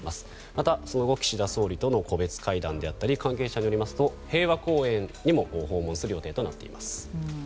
また、その後岸田総理との個別会談であったり関係者によりますと平和公園にも訪問する予定となっています。